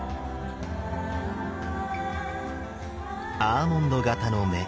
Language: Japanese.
アーモンド形の目。